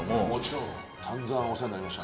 さんざんお世話になりました。